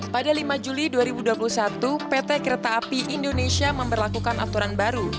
pada lima juli dua ribu dua puluh satu pt kereta api indonesia memperlakukan aturan baru